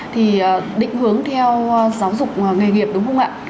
thì định hướng theo giáo dục nghề nghiệp đúng không ạ